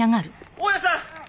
大屋さん！」